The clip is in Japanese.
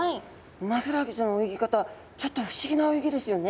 ウマヅラハギちゃんの泳ぎ方ちょっと不思議な泳ぎですよね。